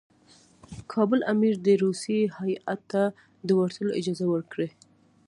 کابل امیر دي روسي هیات ته د ورتلو اجازه ورکړي.